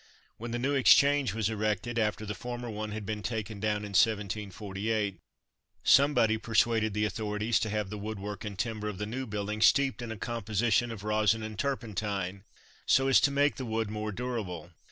When the new Exchange was erected, after the former one had been taken down in 1748, somebody persuaded the authorities to have the woodwork and timber of the new building steeped in a composition of rosin and turpentine, so as to make the wood more durable.